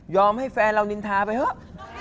ให้แฟนเรานินทาไปเถอะ